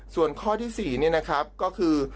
ส่วนข้อที่๔นี่นะครับก็คือ